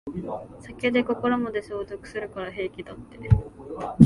酒で心まで消毒するから平気だって